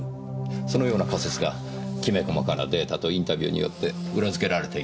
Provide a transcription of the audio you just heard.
そのような仮説がきめ細かなデータとインタビューによって裏付けられています。